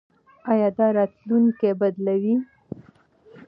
ایا دا راتلونکی بدلوي؟